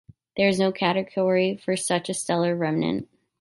There is no category for such a stellar remnant.